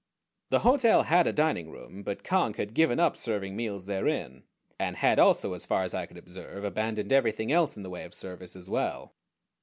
The hotel had a dining room; but Conk had given up serving meals therein, and had also as far as I could observe abandoned everything else in the way of service as well.